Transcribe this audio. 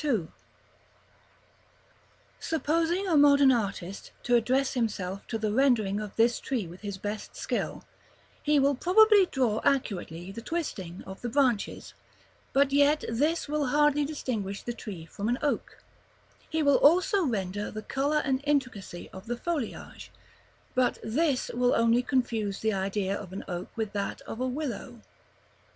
§ XV. Supposing a modern artist to address himself to the rendering of this tree with his best skill: he will probably draw accurately the twisting of the branches, but yet this will hardly distinguish the tree from an oak: he will also render the color and intricacy of the foliage, but this will only confuse the idea of an oak with that of a willow.